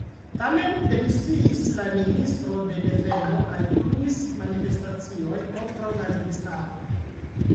Tamen demisiis la Ministro de Defendo kaj pluis manifestacioj kontraŭ la registaro.